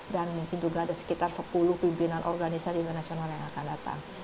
dan mungkin juga ada sekitar sepuluh pimpinan organisasi internasional yang akan datang